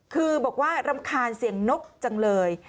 คือบอกว่ารำคาญเสียงนกจังเลย